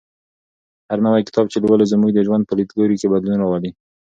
هر نوی کتاب چې لولو زموږ د ژوند په لیدلوري کې بدلون راولي.